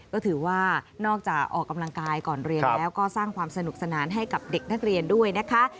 ก็ถือว่านอกจากออกกำลังกายก่อนเรียนแล้วก็สร้างความสนุกสนานให้กับเด็กนักเรียนด้วยนะคะ